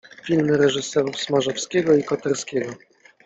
Filmy reżyserów Smarzowskiego i Koterskiego.